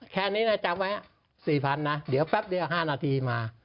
แขนนี้น่ะจับไว้๔พันนะเดี๋ยวแป๊บเดี๋ยว๕นาทีมา